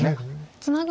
ツナぐ